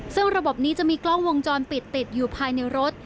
ซึ่งระบบนี้จะมีกล้องวงจรปิดติดอยู่ภายในรถ